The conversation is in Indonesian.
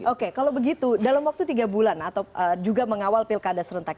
oke kalau begitu dalam waktu tiga bulan atau juga mengawal pilkada serentak